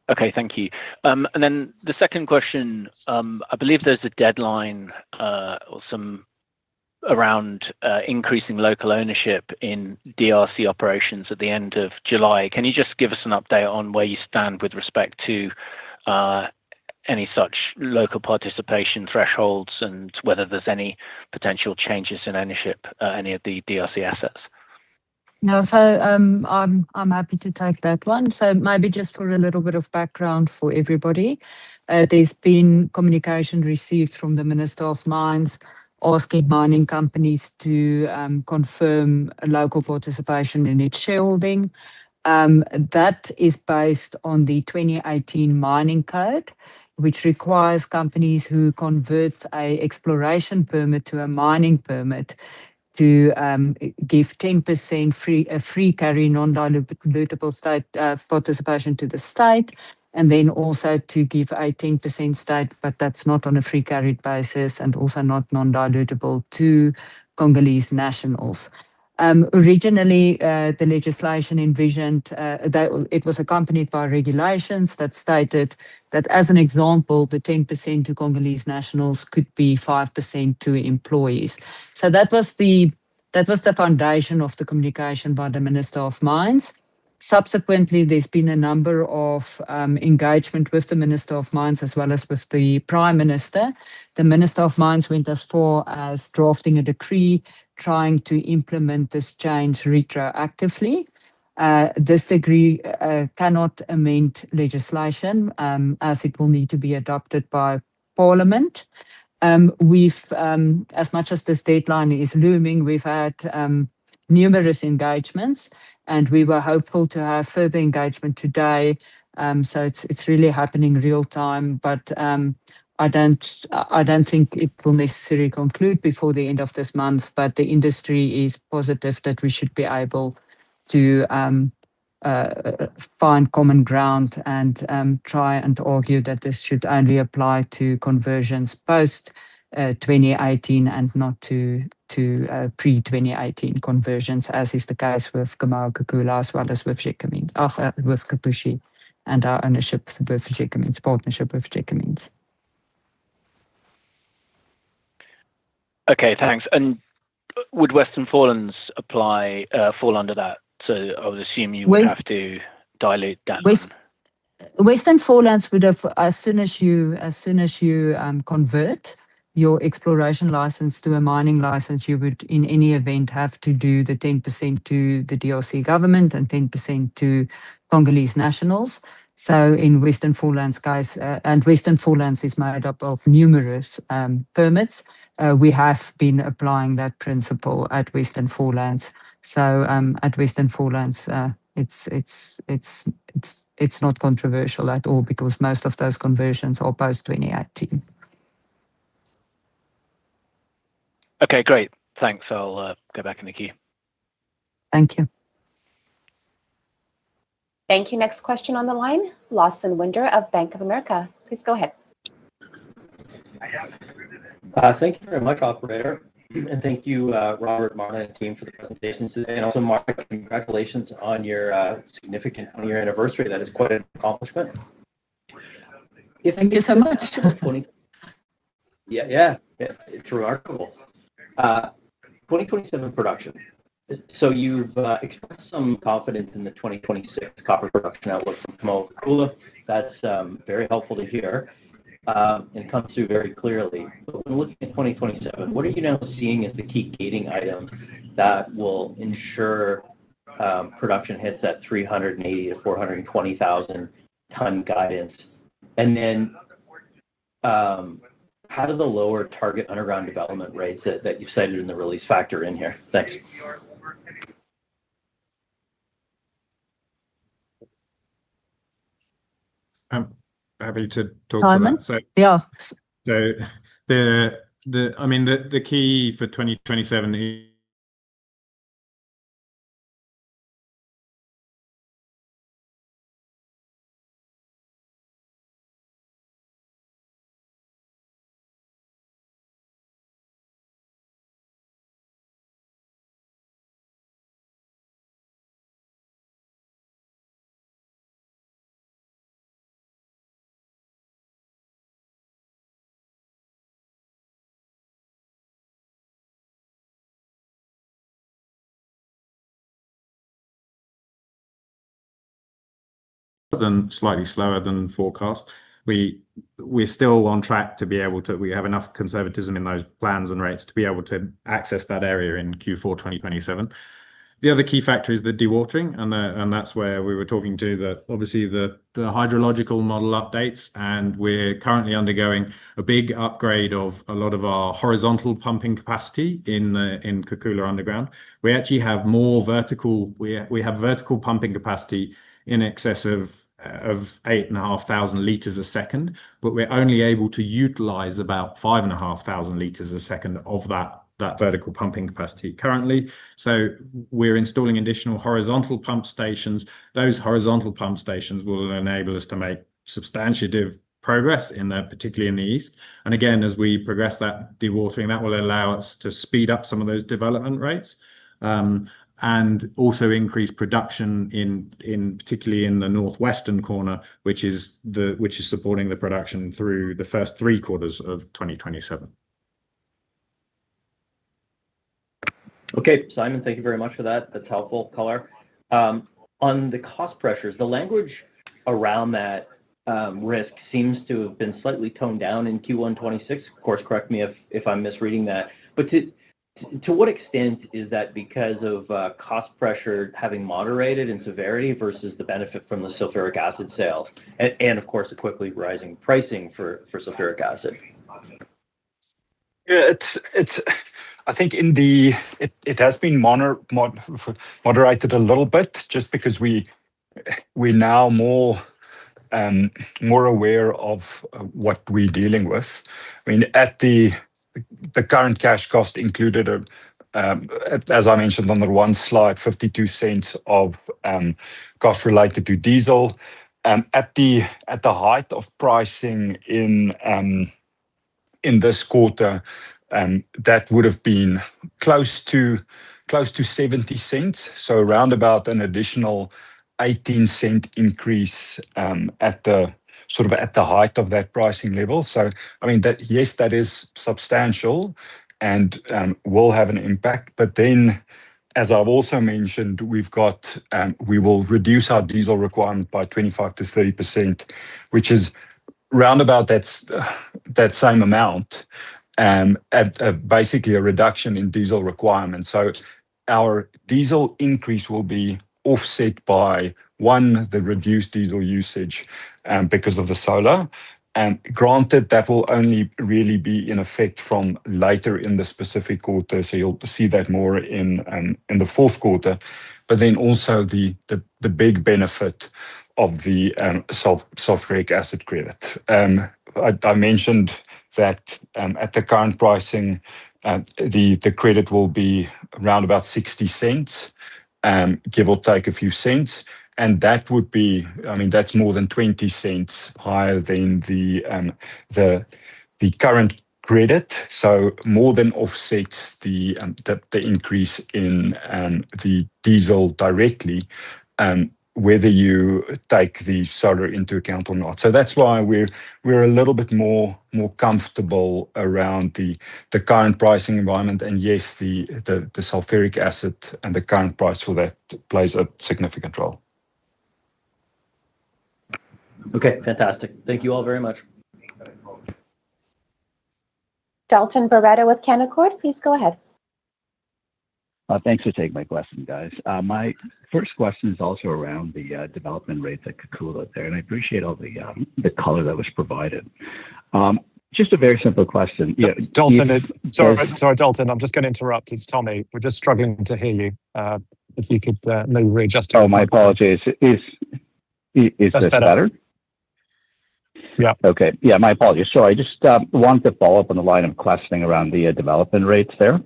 Okay. Thank you. The second question, I believe there's a deadline around increasing local ownership in DRC operations at the end of July. Can you just give us an update on where you stand with respect to any such local participation thresholds and whether there's any potential changes in ownership of any of the DRC assets? No, I'm happy to take that one. Maybe just for a little bit of background for everybody, there's been communication received from the Minister of Mines asking mining companies to confirm local participation in its shareholding. That is based on the 2018 Mining Code, which requires companies who convert a exploration permit to a mining permit to give 10% a free carry non-dilutable state participation to the state, and then also to give a 10% state, but that's not on a free carried basis and also not non-dilutable to Congolese nationals. Originally, the legislation envisioned that it was accompanied by regulations that stated that, as an example, the 10% to Congolese nationals could be 5% to employees. That was the foundation of the communication by the Minister of Mines. Subsequently, there's been a number of engagement with the Minister of Mines as well as with the Prime Minister. The Minister of Mines went as far as drafting a decree trying to implement this change retroactively. This decree cannot amend legislation, as it will need to be adopted by Parliament. As much as this deadline is looming, we've had numerous engagements, and we were hopeful to have further engagement today. It's really happening real time. I don't think it will necessarily conclude before the end of this month, but the industry is positive that we should be able to find common ground and try and argue that this should only apply to conversions post 2018 and not to pre-2018 conversions, as is the case with Kamoa-Kakula, as well as with Kipushi and our partnership with Gécamines. Okay, thanks. Would Western Forelands fall under that? I'll assume you would have to dilute that then. Western Forelands, as soon as you convert your exploration license to a mining license, you would, in any event, have to do the 10% to the DRC government and 10% to Congolese nationals. In Western Forelands case, and Western Forelands is made up of numerous permits, we have been applying that principle at Western Forelands. At Western Forelands it's not controversial at all because most of those conversions are post-2018. Okay, great. Thanks. I'll go back to the queue. Thank you. Thank you. Next question on the line, Lawson Winder of Bank of America. Please go ahead. Thank you very much, operator. Thank you, Robert, Marna, and team for the presentations today. Also, Marna, congratulations on your anniversary. That is quite an accomplishment. Thank you so much. Yeah. It's remarkable. 2027 production. You've expressed some confidence in the 2026 copper production outlook from Kamoa-Kakula. That's very helpful to hear, and it comes through very clearly. When looking at 2027, what are you now seeing as the key gating items that will ensure production hits that 380,000 tonne-420,000 tonne guidance? Then, how do the lower target underground development rates that you've cited in the release factor in here? Thanks. I'm happy to talk to that. Simon? Yeah. I mean, the key for 2027 than slightly slower than forecast. We're still on track to be able to, we have enough conservatism in those plans and rates to be able to access that area in Q4 2027. That's where we were talking to the hydrological model updates, we're currently undergoing a big upgrade of a lot of our horizontal pumping capacity in Kakula underground. We have vertical pumping capacity in excess of 8,500 liters a second, but we're only able to utilize about 5,500 liters a second of that vertical pumping capacity currently. We're installing additional horizontal pump stations. Those horizontal pump stations will enable us to make substantive progress, particularly in the east. Again, as we progress that dewatering, that will allow us to speed up some of those development rates, and also increase production particularly in the northwestern corner, which is supporting the production through the first three quarters of 2027. Okay, Simon, thank you very much for that. That's helpful color. On the cost pressures, the language around that risk seems to have been slightly toned down in Q1 2026. Of course, correct me if I'm misreading that. To what extent is that because of cost pressure having moderated in severity versus the benefit from the sulfuric acid sales? Of course, the quickly rising pricing for sulfuric acid. I think it has been moderated a little bit just because we're now more aware of what we're dealing with. I mean, at the current cash cost included, as I mentioned on the slide one, $0.52 of cost related to diesel. At the height of pricing in this quarter, that would've been close to $0.70. Around about an additional $0.18 increase at the height of that pricing level. I mean, yes, that is substantial and will have an impact. As I've also mentioned, we will reduce our diesel requirement by 25%-30%, which is around about that same amount and at basically a reduction in diesel requirement. Our diesel increase will be offset by, one, the reduced diesel usage and because of the solar, and granted that will only really be in effect from later in the specific quarter. You'll see that more in the fourth quarter. Also the big benefit of the sulfuric acid credit. I mentioned that at the current pricing, the credit will be around about $0.60, give or take a few cents. That's more than $0.20 higher than the current credit. More than offsets the increase in the diesel directly, whether you take the solar into account or not. That's why we're a little bit more comfortable around the current pricing environment. Yes, the sulfuric acid and the current price for that plays a significant role. Okay, fantastic. Thank you all very much. Dalton Baretto with Canaccord. Please go ahead. Thanks for taking my question, guys. My first question is also around the development rates at Kakula there. I appreciate all the color that was provided. Just a very simple question. Dalton, sorry, I'm just going to interrupt. It's Tommy. We're just struggling to hear you. If you could maybe readjust. Oh, my apologies. Is this better? That's better. Yeah. My apologies. I just wanted to follow up on the line of questioning around the development rates there.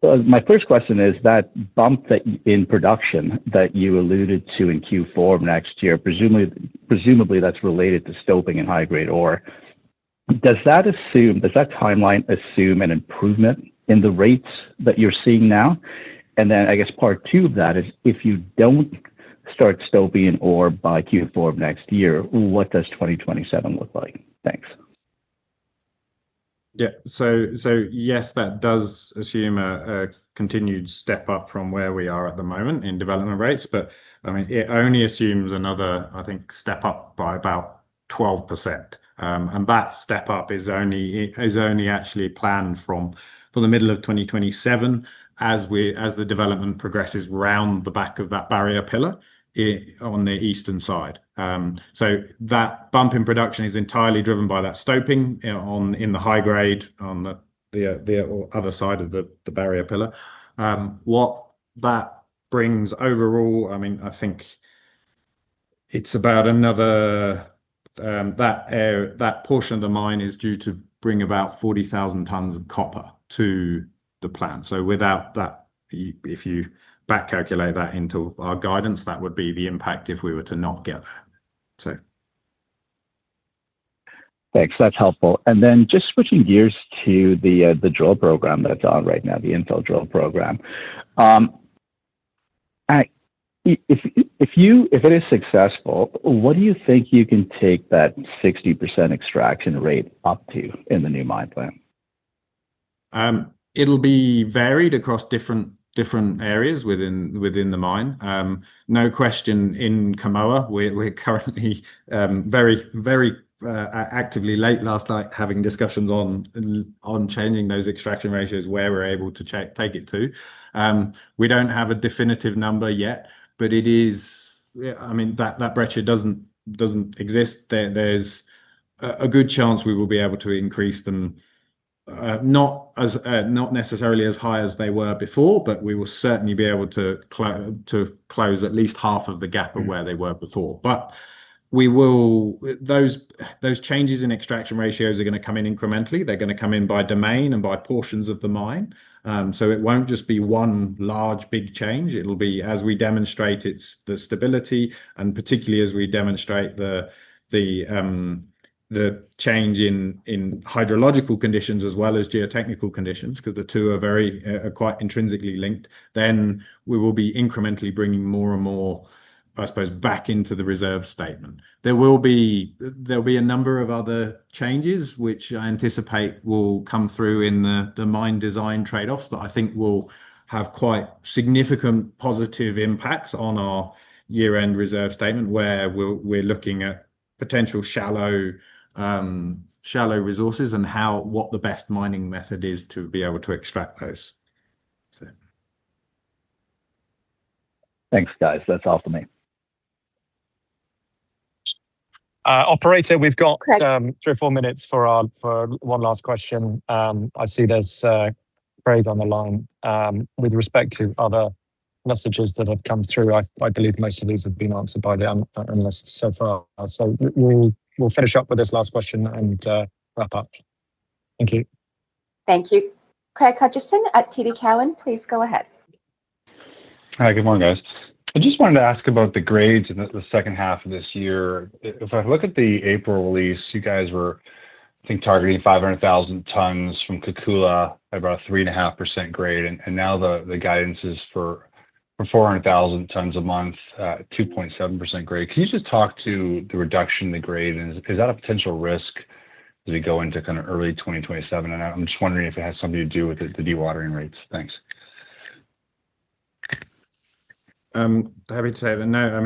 My first question is that bump that in production that you alluded to in Q4 of next year, presumably that's related to stoping and high-grade ore. Does that timeline assume an improvement in the rates that you're seeing now? I guess part two of that is if you don't start stoping ore by Q4 of next year, what does 2027 look like? Thanks. Yes, that does assume a continued step up from where we are at the moment in development rates. It only assumes another, I think, step up by about 12%. That step up is only actually planned from the middle of 2027 as the development progresses round the back of that barrier pillar on the eastern side. That bump in production is entirely driven by that stoping in the high-grade on the other side of the barrier pillar. What that brings overall, I think it's about another, that portion of the mine is due to bring about 40,000 tonnes of copper to the plant. Without that, if you back calculate that into our guidance, that would be the impact if we were to not get there. Thanks. That's helpful. Just switching gears to the drill program that's on right now, the infill drill program. If it is successful, what do you think you can take that 60% extraction rate up to in the new mine plan? It'll be varied across different areas within the mine. No question in Kamoa, we're currently very actively late last night having discussions on changing those extraction ratios where we're able to take it to. We don't have a definitive number yet, but that breccia doesn't exist. There's a good chance we will be able to increase them, not necessarily as high as they were before, but we will certainly be able to close at least half of the gap of where they were before. Those changes in extraction ratios are going to come in incrementally. They're going to come in by domain and by portions of the mine. It won't just be one large, big change. It'll be as we demonstrate the stability, and particularly as we demonstrate the change in hydrological conditions as well as geotechnical conditions, because the two are quite intrinsically linked. We will be incrementally bringing more and more, I suppose, back into the reserve statement. There'll be a number of other changes which I anticipate will come through in the mine design trade-offs that I think will have quite significant positive impacts on our year-end reserve statement, where we're looking at potential shallow resources and what the best mining method is to be able to extract those. Thanks, guys. That's all for me. Operator, we've got- Craig three or four minutes for one last question. I see there's Craig on the line. With respect to other messages that have come through, I believe most of these have been answered by the analysts so far. We'll finish up with this last question and wrap up. Thank you. Thank you. Craig Hutchison at TD Cowen, please go ahead. Hi, good morning, guys. I just wanted to ask about the grades in the second half of this year. If I look at the April release, you guys were, I think, targeting 500,000 tonnes from Kakula at about 3.5% grade. Now the guidance is for 400,000 tonnes a month at 2.7% grade. Can you just talk to the reduction in the grade, and is that a potential risk as we go into kind of early 2027? I'm just wondering if it has something to do with the dewatering rates. Thanks. I'm happy to say that no,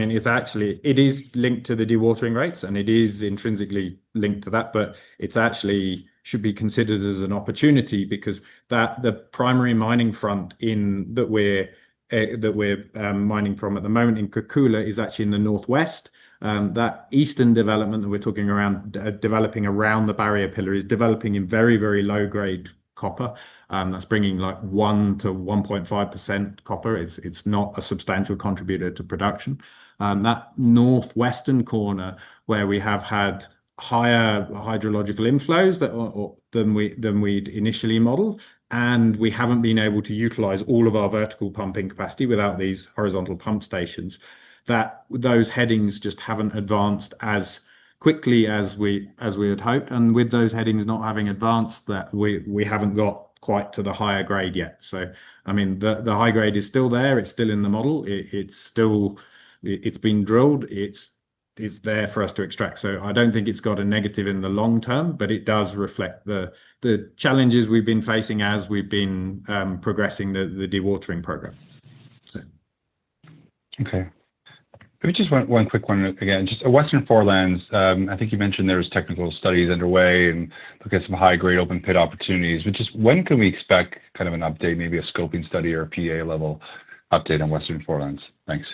it is linked to the dewatering rates, and it is intrinsically linked to that, but it actually should be considered as an opportunity because the primary mining front that we're mining from at the moment in Kakula is actually in the northwest. That eastern development that we're talking around, developing around the barrier pillar is developing in very, very low-grade copper. That's bringing 1%-1.5% copper. It's not a substantial contributor to production. That northwestern corner where we have had higher hydrological inflows than we'd initially modeled, and we haven't been able to utilize all of our vertical pumping capacity without these horizontal pump stations. That those headings just haven't advanced as quickly as we had hoped. With those headings not having advanced, we haven't got quite to the higher grade yet. The high grade is still there. It's still in the model. It's been drilled. It's there for us to extract. I don't think it's got a negative in the long term, but it does reflect the challenges we've been facing as we've been progressing the dewatering programs. Okay. Maybe just one quick one again, just Western Forelands. I think you mentioned there was technical studies underway and looking at some high-grade open pit opportunities. Just when can we expect an update, maybe a scoping study or a PA-level update on Western Forelands? Thanks.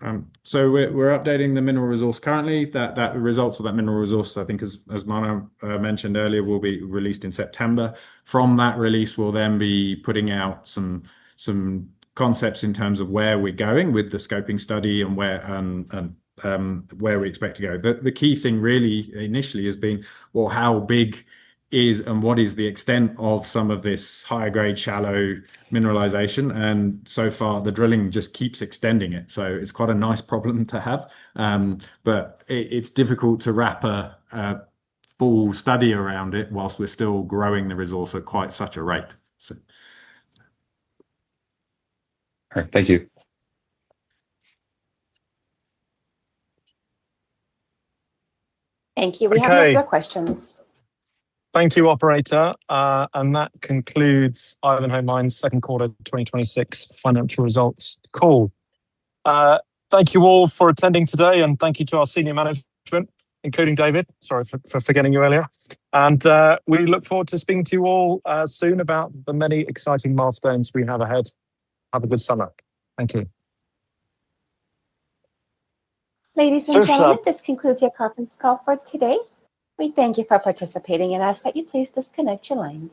We're updating the mineral resource currently. The results of that mineral resource, I think as Marna mentioned earlier, will be released in September. From that release, we'll then be putting out some concepts in terms of where we're going with the scoping study and where we expect to go. The key thing really initially has been, well, how big is and what is the extent of some of this high-grade shallow mineralization? So far, the drilling just keeps extending it. It's quite a nice problem to have. It's difficult to wrap a full study around it whilst we're still growing the resource at quite such a rate. All right. Thank you. Thank you. We have no further questions. Thank you, operator. That concludes Ivanhoe Mines' second quarter 2026 financial results call. Thank you all for attending today, and thank you to our senior management, including David. Sorry for forgetting you earlier. We look forward to speaking to you all soon about the many exciting milestones we have ahead. Have a good summer. Thank you. Ladies and gentlemen. [inaudible] This concludes your conference call for today. We thank you for participating and ask that you please disconnect your lines.